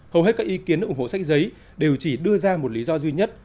hầu hết các ý kiến ủng hộ sách giấy đều chỉ đưa ra một lý do duy nhất